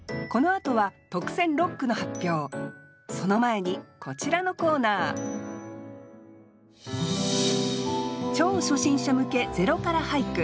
その前にこちらのコーナー超初心者向け「０から俳句」。